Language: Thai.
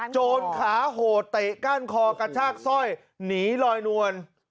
โจรขาโหดเตะก้านคอกระชากสร้อยหนีลอยนวล